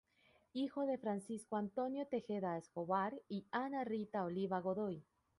Hijo de Francisco Antonio Tejeda Escobar y Ana Rita Oliva Godoy.